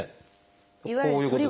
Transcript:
こういうことですね。